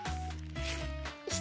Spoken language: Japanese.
よし。